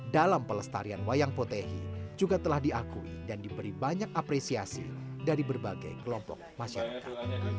dalam pelestarian wayang potehi juga telah diakui dan diberi banyak apresiasi dari berbagai kelompok masyarakat